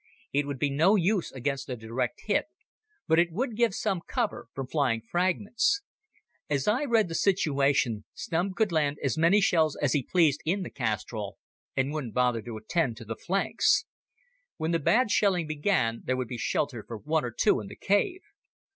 It would be no use against a direct hit, but it would give some cover from flying fragments. As I read the situation, Stumm could land as many shells as he pleased in the castrol and wouldn't bother to attend to the flanks. When the bad shelling began there would be shelter for one or two in the cave.